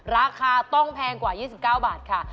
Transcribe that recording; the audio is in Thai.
ราคาต้องแพงกว่า๒๙บาทค่ะ